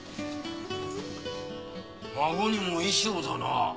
馬子にも衣装だな。